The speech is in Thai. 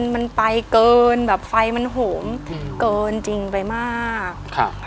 มันไปเกินแบบไฟมันโหมเกินจริงไปมากครับ